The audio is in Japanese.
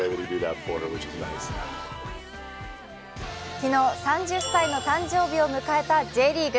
昨日、３０歳の誕生日を迎えたＪリーグ。